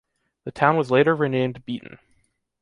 The town was later renamed Beeton.